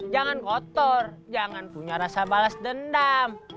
jangan kotor jangan punya rasa balas dendam